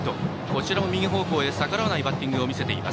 こちらも右方向に逆らわないバッティング。